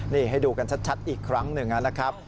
นี่ให้ดูกันชัดอีกครั้งหนึ่งนะครับ